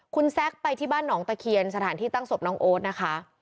คุณแซคไปที่บ้านหนองตะเคียนสถานที่ตั้งศพน้องโอ๊ตนะคะ